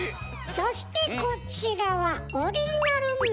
そしてこちらはオリジナルメンバー。